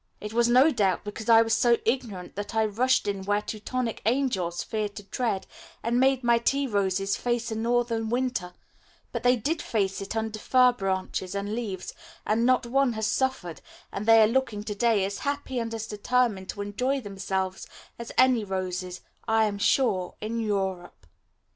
It was no doubt because I was so ignorant that I rushed in where Teutonic angels fear to tread and made my tea roses face a northern winter; but they did face it under fir branches and leaves, and not one has suffered, and they are looking to day as happy and as determined to enjoy themselves as any roses, I am sure, in Europe.